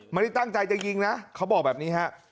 ไม่ได้ตั้งใจจะยิงนะเขาบอกแบบนี้ฮะ